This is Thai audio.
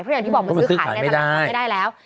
เพราะอย่างที่บอกมันซื้อขายไม่ได้แล้ว